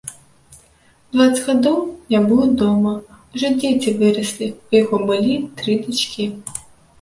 Дваццаць гадоў не быў дома, ужо дзеці выраслі, у яго былі тры дачкі.